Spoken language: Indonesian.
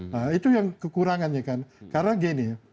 nah itu yang kekurangannya kan karena gini ya